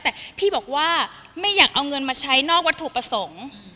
แต่พี่บอกว่าไม่อยากเอาเงินมาใช้นอกวัตถุประสงค์